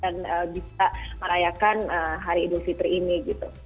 dan bisa merayakan hari idul fitri ini gitu